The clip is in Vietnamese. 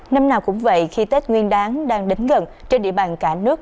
năm nào cũng vậy khi tết nguyên đáng đang đến gần trên địa bàn cả nước